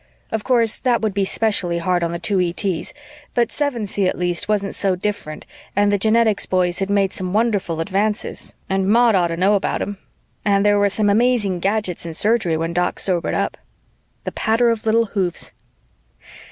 Of course that would be specially hard on the two ETs, but Sevensee at least wasn't so different and the genetics boys had made some wonderful advances and Maud ought to know about them and there were some amazing gadgets in Surgery when Doc sobered up. The patter of little hoofs